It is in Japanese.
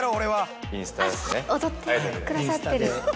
あっ踊ってくださってる。